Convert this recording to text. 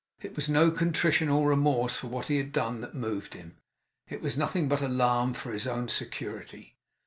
It was no contrition or remorse for what he had done that moved him; it was nothing but alarm for his own security.